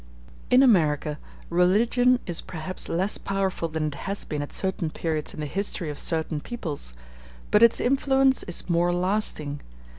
In America, religion is perhaps less powerful than it has been at certain periods in the history of certain peoples; but its influence is more lasting.